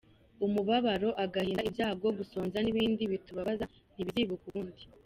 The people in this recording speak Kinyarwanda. Umubabaro agahinda ibyago gusonza n’ibindi bitubabaza ntibizibukwa ukundi.